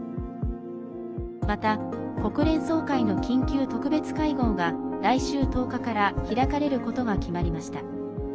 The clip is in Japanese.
また、国連総会の緊急特別会合が来週１０日から開かれることが決まりました。